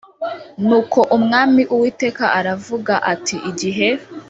Nuko umwami uwiteka aravuga ati igihe